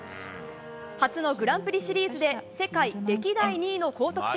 初のグランプリシリーズで世界歴代２位の高得点。